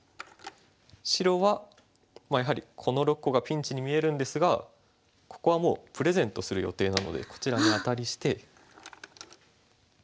白はやはりこの６個がピンチに見えるんですがここはもうプレゼントする予定なのでこちらにアタリして。